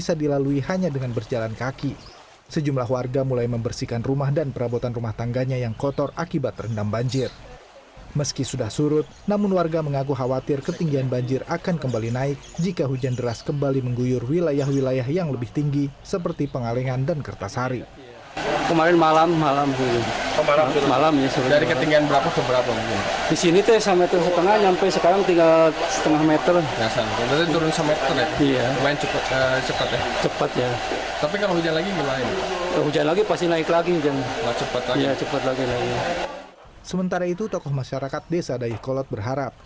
sementara itu tokoh masyarakat desa dayi kolot berharap